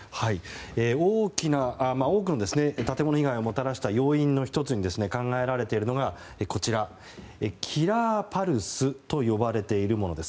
大きくの建物被害をもたらした要因の１つに考えられているのがキラーパルスと呼ばれているものです。